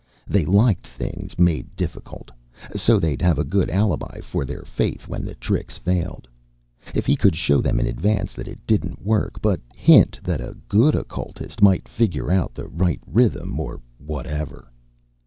They liked things made difficult, so they'd have a good alibi for their faith when the tricks failed. If he could show them in advance that it didn't work, but hint that a good occultist might figure out the right rhythm, or whatever....